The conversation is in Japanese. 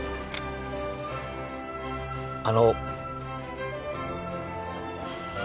あの。